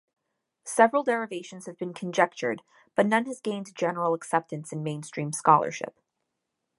Several derivations have been conjectured but none has gained general acceptance in mainstream scholarship.